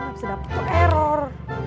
gak bisa dapet kok error